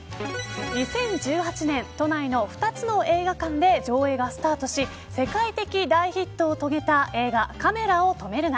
２０１８年、都内の２つの映画館で上映がスタートし世界的大ヒットを遂げた映画、カメラを止めるな。